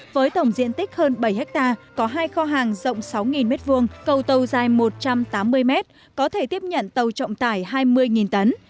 với tổng diện tích hơn bảy ha có hai kho hàng rộng sáu m hai cầu tàu dài một trăm tám mươi m có thể tiếp nhận tàu trọng tải hai mươi tấn